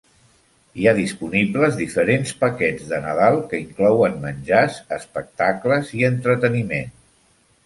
Hi ha disponibles diferents paquets de Nadal que inclouen menjars, espectacles i entreteniment.